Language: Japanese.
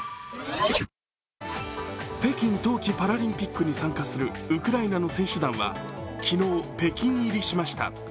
北京冬季パラリンピックに参加するウクライナの選手団は昨日、北京入りしました。